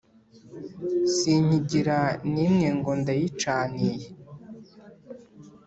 sinkigira n’imwe ngo ndayicaniye,